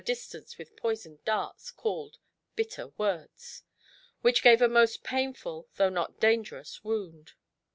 distance with poisoned darts, called "bitter words," which gave a most painful, though not dangerous wound.